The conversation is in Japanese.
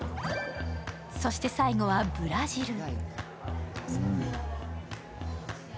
そして最後はブラジル。